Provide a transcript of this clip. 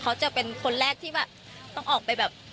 เขาจะเป็นคนแรกที่แบบต้องออกไปแบบ